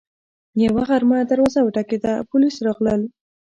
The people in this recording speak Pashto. یوه غرمه دروازه وټکېده، پولیس راغلل